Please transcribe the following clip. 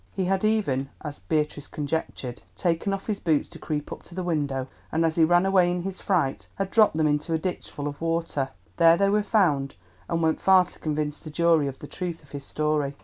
He had even, as Beatrice conjectured, taken off his boots to creep up to the window, and as he ran away in his fright, had dropped them into a ditch full of water. There they were found, and went far to convince the jury of the truth of his story.